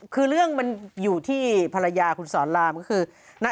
คือเรื่องมันอยู่ที่ภรรยาคุณสอนรามก็คือ